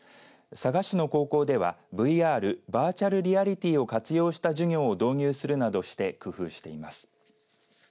佐賀市の高校ではＶＲバーチャルリアリティーを活用した授業を導入するなどして工夫しています。